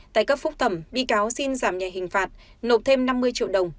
tại cấp phúc thẩm bị cáo xin giảm nhẹ hình phạt nộp thêm năm mươi triệu đồng